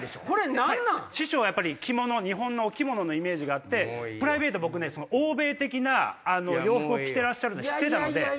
やっぱり日本のお着物のイメージがあってプライベート欧米的な洋服を着てらっしゃるの知ってたので。